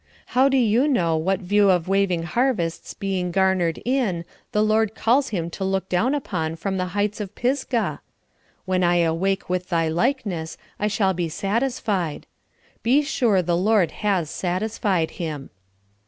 How do you know what view of waving harvests being garnered in the Lord calls him to look down upon from the heights of Pisgah? "When I awake with thy likeness I shall be satisfied." Be sure the Lord has satisfied him.